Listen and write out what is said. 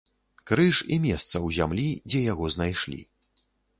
Крыж і месца ў зямлі, дзе яго знайшлі.